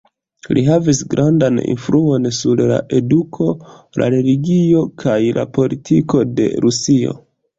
Li havis grandan influon sur la eduko, la religio kaj la politiko de Rusio.